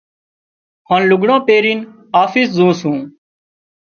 هانَ لگھڙان پيرينَ آفس زُون سُون۔